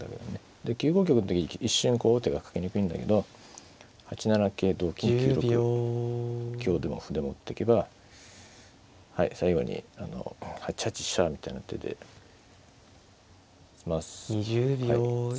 で９五玉の時一瞬王手がかけにくいんだけど８七桂同金９六香でも歩でも打ってけばはい最後に８八飛車みたいな手で詰ますはい詰みがありますね。